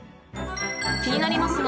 ［気になりますが］